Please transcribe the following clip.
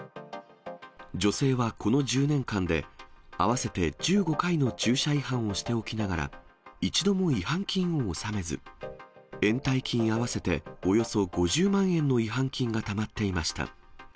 女性はこの１０年間で、合わせて１５回の駐車違反をしておきながら、一度も違反金を納めず、延滞金合わせておよそ５０万円の違反金がたまっていました。